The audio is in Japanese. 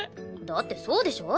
だってそうでしょ？